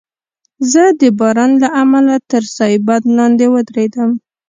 زه د باران له امله تر سایبان لاندي ودریدم.